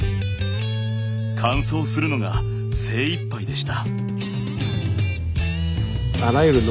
完走するのが精いっぱいでした。